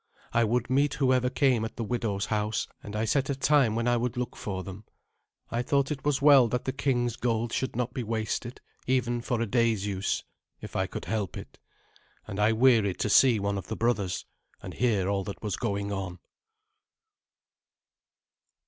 I would meet whoever came at the widow's house, and I set a time when I would look for them. I thought it was well that the king's gold should not be wasted, even for a day's use, if I could help it. And I wearied to see one of the brothers, and hear all that was going on.